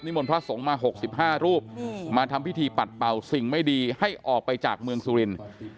มนต์พระสงฆ์มา๖๕รูปมาทำพิธีปัดเป่าสิ่งไม่ดีให้ออกไปจากเมืองสุรินทร์